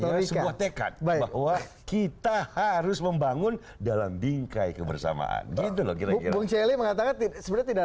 teknologi sebuah tekad bahwa kita harus membangun dalam bingkai kebersamaan email mengatakan t instincts